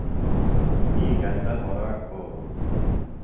نی گندہ خوراک کھولوۡ ہِنوۡ۔